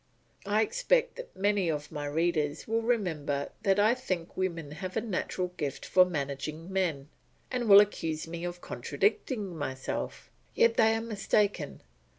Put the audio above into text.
I expect that many of my readers will remember that I think women have a natural gift for managing men, and will accuse me of contradicting myself; yet they are mistaken.